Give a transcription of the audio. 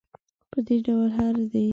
په دې ډول دی هر.